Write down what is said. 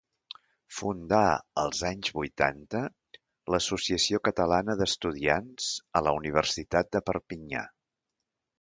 Fundà als anys vuitanta l'Associació Catalana d'Estudiants a la Universitat de Perpinyà.